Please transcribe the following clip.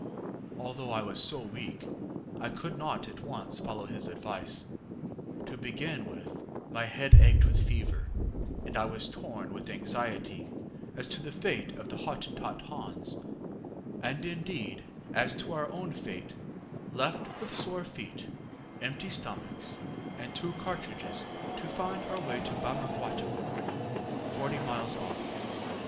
ŌĆÖ ŌĆ£Although I was so weak, I could not at once follow his advice. To begin with, my head ached with fever, and I was torn with anxiety as to the fate of the Hottentot Hans; and, indeed, as to our own fate, left with sore feet, empty stomachs, and two cartridges, to find our way to Bamangwato, forty miles off.